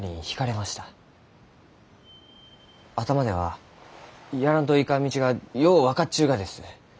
頭ではやらんといかん道がよう分かっちゅうがです。